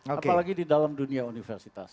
apalagi di dalam dunia universitas